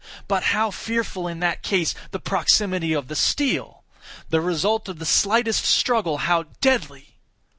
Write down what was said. But how fearful, in that case, the proximity of the steel! The result of the slightest struggle how deadly!